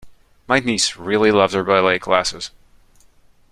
My niece really loves her ballet classes